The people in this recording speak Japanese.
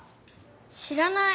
知らない。